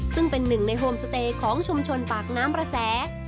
ซึ่งเป็นหนึ่งในโฮมสเตย์ของชุมชนปากน้ำประแส